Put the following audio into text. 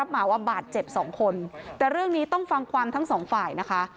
มันต้องฟังความทั้ง๒ฝ่ายนะคะ